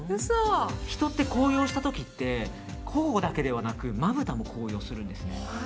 人って高揚した時って頬だけではなく、まぶたも高揚するんですね。